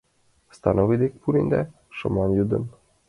Становой дек пурен да шыман йодын: